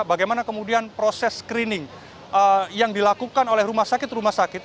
bagaimana kemudian proses screening yang dilakukan oleh rumah sakit rumah sakit